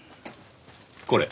これ。